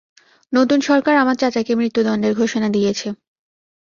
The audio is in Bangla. নতুন সরকার আমার চাচাকে মৃত্যুদন্ডের ঘোষণা দিয়েছে।